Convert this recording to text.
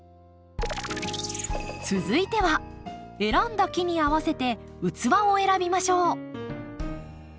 続いては選んだ木に合わせて器を選びましょう。